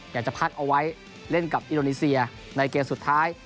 อยากจะพักเอาไว้เล่นกับอินโดนีเซียในเกมสุดท้าย